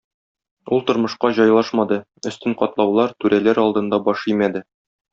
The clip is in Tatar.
Ул тормышка җайлашмады, өстен катлаулар, түрәләр алдында баш имәде.